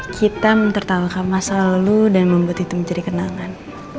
kita mentertawakan masa lalu dan membuat itu menjadi kenangan